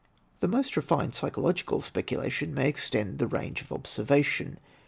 "The most refined psychological speculation may extend the range of observation.